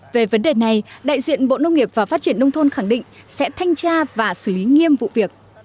về vấn đề này đại diện bộ nông nghiệp và phát triển nông thôn khẳng định sẽ thanh tra và xử lý nghiêm vụ việc